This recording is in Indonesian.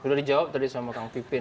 sudah dijawab tadi sama kang pipin